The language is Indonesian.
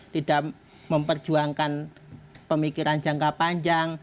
tidak memperjuangkan pemikiran jangka panjang